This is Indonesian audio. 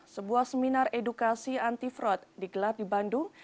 sebuah seminar edukasi anti fraud digelar di bandung